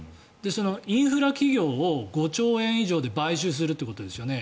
インフラ企業を５兆円以上で買収するということですよね。